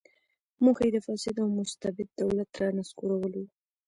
موخه یې د فاسد او مستبد دولت رانسکورول و.